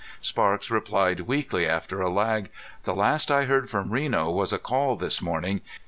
Sparks replied weakly after a lag. "The last I heard from Reno was a call this morning.